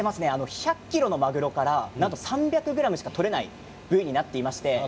１００ｋｇの、まぐろからなんと３００ｇしか取れない部位になっています。